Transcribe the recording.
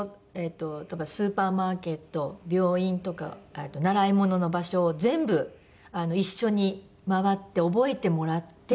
例えばスーパーマーケット病院とか習いものの場所を全部一緒に回って覚えてもらって。